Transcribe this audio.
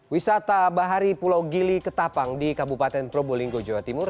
wisata bahari pulau gili ketapang di kabupaten probolinggo jawa timur